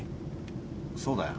そうだよ。